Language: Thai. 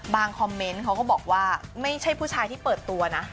คอมเมนต์เขาก็บอกว่าไม่ใช่ผู้ชายที่เปิดตัวนะ